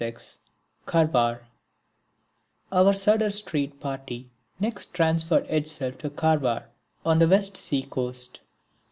(36) Karwar Our Sudder Street party next transferred itself to Karwar on the West Sea coast.